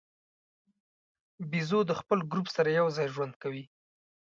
بیزو د خپل ګروپ سره یو ځای ژوند کوي.